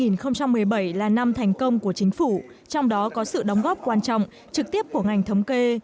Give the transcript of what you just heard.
năm hai nghìn một mươi bảy là năm thành công của chính phủ trong đó có sự đóng góp quan trọng trực tiếp của ngành thống kê